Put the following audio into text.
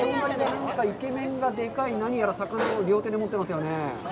イケメンがでかい、何やら魚を両手で持ってますよね。